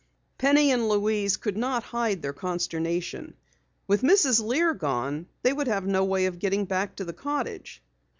Penny and Louise could not hide their consternation. With Mrs. Lear gone they would have no way of getting back to the cottage.